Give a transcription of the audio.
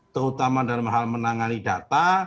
terutama dalam hal menangani data